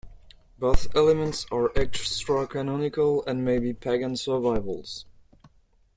Both elements are extra-canonical and may be pagan survivals.